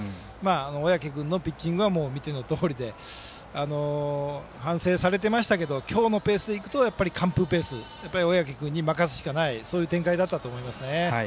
小宅君のピッチングは見てのとおりで反省されてましたけど今日のペースでいくと完封ペース小宅君に任せるしかないそういう展開だったと思います。